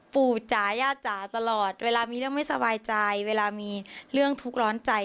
ปู่จ๋าย่าจ๋าตลอดเวลามีเรื่องไม่สบายใจเวลามีเรื่องทุกข์ร้อนใจ